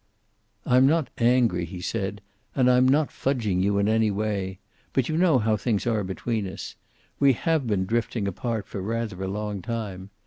"I am not angry," he said. "And I'm not fudging you in any way. But you know how things are between us. We have been drifting apart for rather a long time.